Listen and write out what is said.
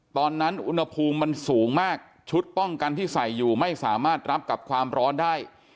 ตอนนั้นอุณหภูมิมันสูงมากชุดป้องกันที่ใส่อยู่ไม่สามารถรับกับความร้อนได้